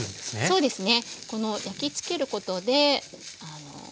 そうですね。